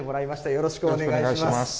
よろしくお願いします。